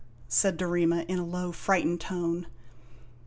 " said Dorema, in a low, frightened tone.